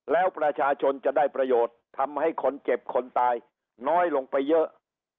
แล้วประชาชนจะได้ประโยชน์ทำให้คนเจ็บคนตายน้อยลงไปเยอะ